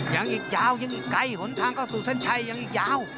ยังอีกยาวยังอีกไกลหนทางเข้าสู่เส้นชัยยังอีกยาว